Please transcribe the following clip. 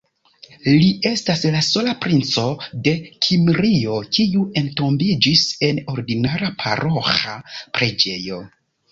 Li estas la sola princo de Kimrio kiu entombiĝis en ordinara paroĥa preĝejo.